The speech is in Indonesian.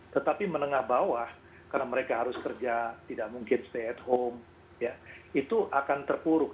tetapi menengah bawah karena mereka harus kerja tidak mungkin stay at home itu akan terpuruk